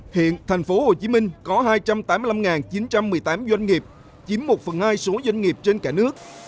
hiện tp hcm có hai trăm tám mươi năm chín trăm một mươi tám doanh nghiệp chiếm một phần hai số doanh nghiệp trên cả nước